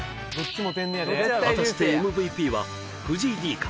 果たしてＭＶＰは藤井Ｄか？